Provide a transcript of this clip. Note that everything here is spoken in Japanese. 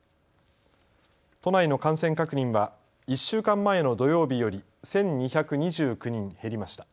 都内の感染確認は１週間前の土曜日より１２２９人減りました。